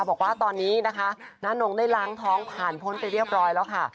บอกว่าตอนนี้นะคะน้านงได้ล้างท้องผ่านพ้นไปเรียบร้อยแล้วค่ะ